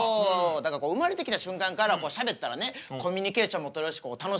だから生まれてきた瞬間からしゃべったらねコミュニケーションも取れるし楽しそうやなと思うのよね。